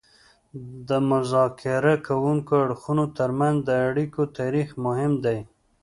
د مذاکره کوونکو اړخونو ترمنځ د اړیکو تاریخ مهم دی